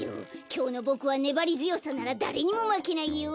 きょうのボクはねばりづよさならだれにもまけないよ。